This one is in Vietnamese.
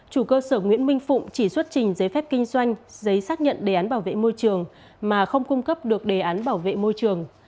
chủ cơ sở nguyễn minh phụng chỉ xuất trình giấy phép kinh doanh giấy xác nhận đề án bảo vệ môi trường mà không cung cấp được đề án bảo vệ môi trường